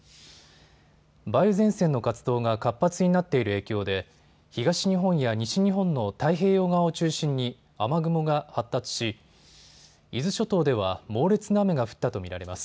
梅雨前線の活動が活発になっている影響で東日本や西日本の太平洋側を中心に雨雲が発達し伊豆諸島では猛烈な雨が降ったと見られます。